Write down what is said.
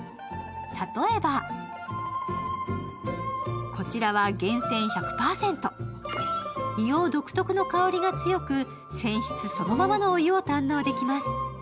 例えば、こちらは源泉１００％、硫黄独特の香りが強く泉質そのままのお湯を堪能できます。